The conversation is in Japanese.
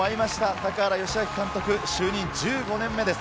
高原良明監督、就任１５年目です。